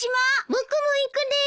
僕も行くでーす。